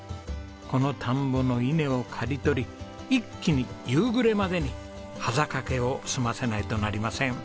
この田んぼの稲を刈り取り一気に夕暮れまでにはざかけを済ませないとなりません。